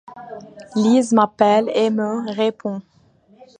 Lise m’appelle et me répond.